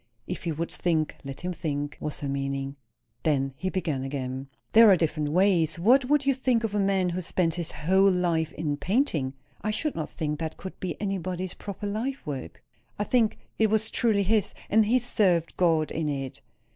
If he would think, let him think, was her meaning. Then he began again. "There are different ways. What would you think of a man who spent his whole life in painting?" "I should not think that could be anybody's proper life work." "I think it was truly his, and he served God in it."